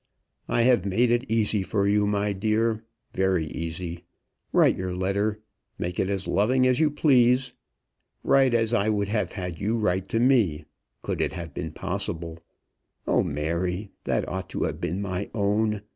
"I have made it easy for you, my dear; very easy. Write your letter. Make it as loving as you please. Write as I would have had you write to me, could it have been possible. O, Mary! that ought to have been my own!